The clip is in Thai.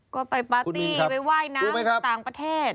ก็ไปปาร์ตี้ไปว่ายน้ำต่างประเทศคุณมีนครับรู้ไหมครับ